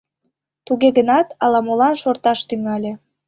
Туге гынат ала-молан шорташ тӱҥале.